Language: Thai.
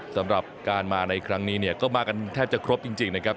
สำหรับการมาในครั้งนี้เนี่ยก็มากันแทบจะครบจริงนะครับ